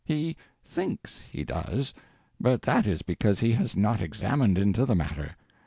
He _thinks _he does, but that is because he has not examined into the matter.